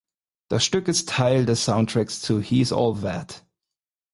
Das Stück ist Teil des Soundtracks zu "He’s All That".